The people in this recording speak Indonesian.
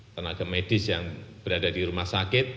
tenaga medis yang berada di rumah sakit